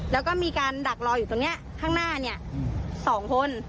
แล้วก็มีการดักรออยู่ตรงเนี้ยข้างหน้าเนี้ยสองคน